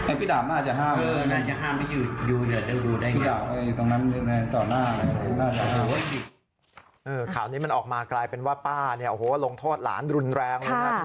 ข่าวนี้มันออกมากลายเป็นว่าป้าเนี่ยโอ้โหลงโทษหลานรุนแรงเลยนะ